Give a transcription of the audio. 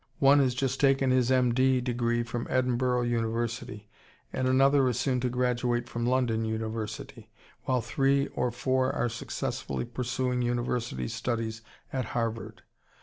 One has just taken his M. D. degree from Edinburgh University, and another is soon to graduate from London University, while three or four are successfully pursuing university studies at Harvard.